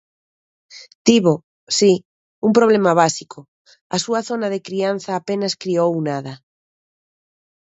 Tivo, si, un problema básico: a súa zona de crianza apenas criou nada.